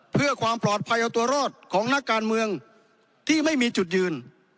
เพื่อความปลอดภัยเอาตัวรอดของนักการเมืองที่ไม่มีจุดยืน